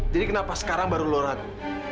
jadi kenapa sekarang baru lu ragu